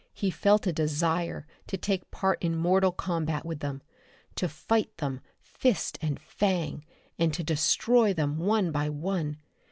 He felt a desire to take part in mortal combat with them, to fight them fist and fang, and to destroy them, one by one.